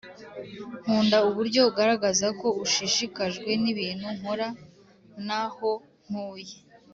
nkunda uburyo ugaragaza ko ushishikajwe nibintu nkora n'aho ntuye